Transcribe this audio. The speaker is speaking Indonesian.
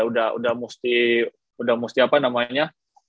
udah mesti udah mesti apa namanya